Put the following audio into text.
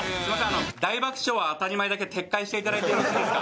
あの「大爆笑は当たり前！」だけ撤回していただいてよろしいですか？